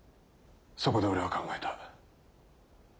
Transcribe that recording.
そこで俺は考えた。